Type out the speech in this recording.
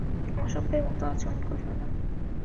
অসভ্যের মতো আচরণ করিও না।